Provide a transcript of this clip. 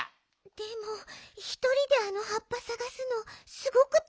でもひとりであのはっぱさがすのすごくたいへんよね。